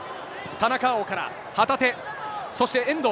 田中碧から、旗手、そして、遠藤。